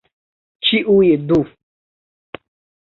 Ĉiuj du!